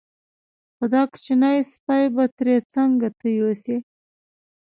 خو دا کوچنی سپی به ترې څنګه ته یوسې.